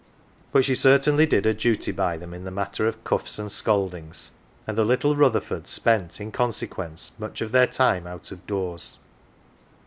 But she certainly did her duty by them in the matter of cuffs and scoldings, and the little Rutherfords spent, in con sequence, much of their time out of doors.